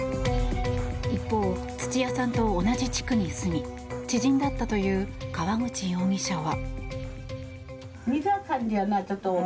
一方、土屋さんと同じ地区に住み知人だったという川口容疑者は。